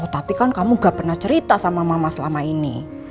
tapi kan kamu gak pernah cerita sama mama selama ini